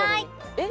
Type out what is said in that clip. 「えっ！